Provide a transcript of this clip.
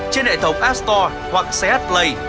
trên hệ thống app store hoặc cs